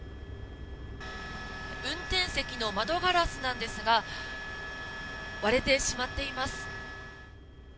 運転席の窓ガラスですが割れてしまっています。